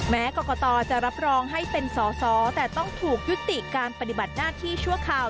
แม้กรกตจะรับรองให้เป็นสอสอแต่ต้องถูกยุติการปฏิบัติหน้าที่ชั่วคราว